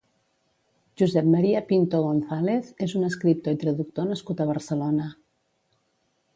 Josep Maria Pinto Gonzàlez és un escriptor i traductor nascut a Barcelona.